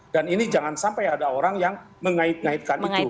dan ini jangan sampai ada orang yang mengait ngaitkan itu